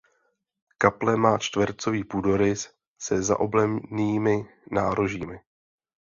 Kaple má čtvercový půdorys se zaoblenými nárožími.